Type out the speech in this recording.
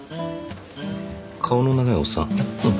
顔の長いおっさん。